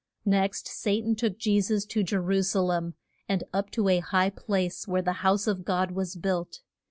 Next Sa tan took Je sus to Je ru sa lem, and up to a high place where the house of God was built.